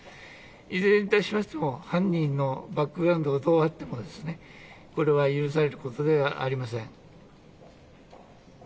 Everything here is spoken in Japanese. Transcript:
いずれに対しましても犯人のバックグラウンドがどうあってもこれが許されることではありません。